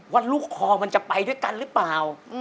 ว่าลูกคอจะไปด้วยกันรึเปล่า